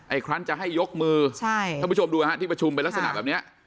ไอ้ครั้นจะให้ยกมือถ้าผู้ชมดูที่ประชุมเป็นลักษณะแบบนี้